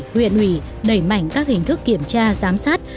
huyện ủy đẩy mạnh các hình thức kiểm tra giám sát